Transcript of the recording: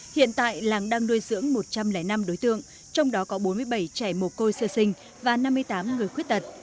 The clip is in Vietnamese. hiện tại làng đang nuôi dưỡng một trăm linh năm đối tượng trong đó có bốn mươi bảy trẻ mồ côi sơ sinh và năm mươi tám người khuyết tật